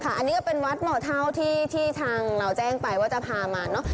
อันนี้ก็เป็นวัดเหมาะเท่าที่ทางเราแจ้งไปว่าจะพามาเนอะ